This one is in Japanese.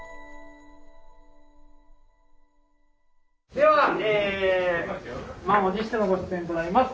ではえ満を持してのご出演となります。